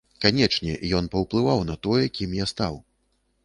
Канечне, ён паўплываў на тое, кім я стаў.